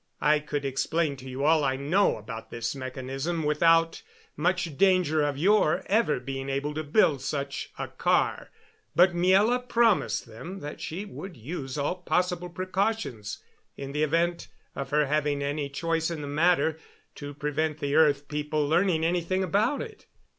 I could explain to you all I know about this mechanism without much danger of your ever being able to build such a car. But Miela promised them that she would use all possible precautions, in the event of her having any choice in the matter, to prevent the earth people learning anything about it.